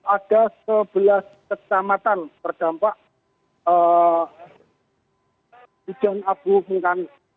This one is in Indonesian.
ada sebelas kesamatan terdampak di jalan abu mungkang